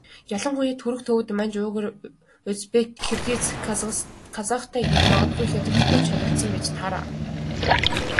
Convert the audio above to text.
Ялангуяа Түрэг, Төвөд, Манж, Уйгар, Узбек, Киргиз, Казахтай магадгүй Хятадтай ч холилдсон байж таараа.